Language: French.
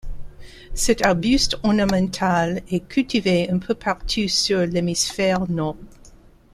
Cet arbuste ornemental est cultivé un peu partout sur l'hémisphère nord.